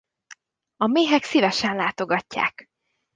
A méhek szívesen látogatják.